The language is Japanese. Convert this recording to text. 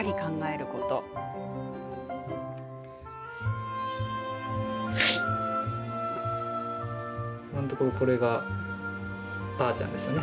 今んところ、これがばあちゃんですよね。